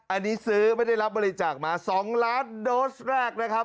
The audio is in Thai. อันนี้ซื้อไม่ได้รับบริจาคมา๒ล้านโดสแรกนะครับ